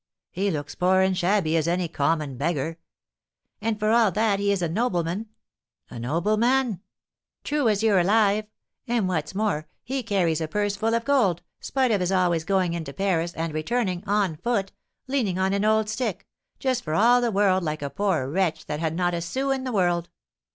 "He looks poor and shabby as any common beggar!" "And, for all that, he is a nobleman." "A nobleman?" "True as you're alive! And, what's more, he carries a purse full of gold, spite of his always going into Paris, and returning, on foot, leaning on an old stick, just for all the world like a poor wretch that had not a sou in the world."